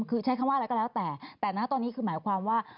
คือใช้คำว่าอะไรก็แล้วแต่แต่นะตอนนี้คือหมายความว่า